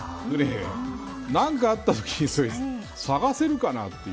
何かあったときに探せるかなっていう。